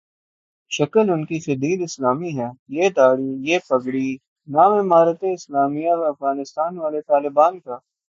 شکل انکی شدید اسلامی ہے ، یہ دھاڑی ، یہ پگڑی ، نام امارت اسلامیہ افغانستان والے طالبان کا ۔